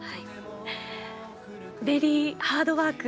ベリーハードワーク。